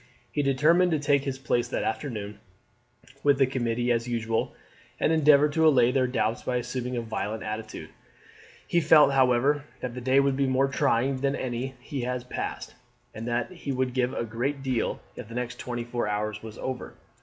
He determined to take his place that afternoon with the committee as usual, and endeavour to allay their doubts by assuming a violent attitude. He felt, however, that the day would be more trying than any he had passed, and that he would give a great deal if the next twenty four hours were over.